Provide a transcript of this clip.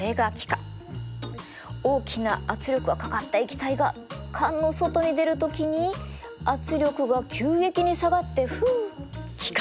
大きな圧力がかかった液体が缶の外に出る時に圧力が急激に下がってふっ気化します。